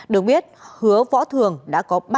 được biết hứa võ thường đã cố gắng trộm cắp tài sản